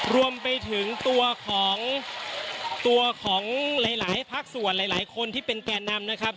รวมไปถึงตัวของตัวของหลายภาคส่วนหลายคนที่เป็นแก่นำนะครับ